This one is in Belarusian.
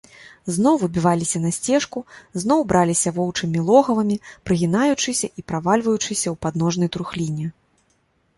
Зноў выбіваліся на сцежку, зноў браліся воўчымі логавамі, прыгінаючыся і правальваючыся ў падножнай трухліне.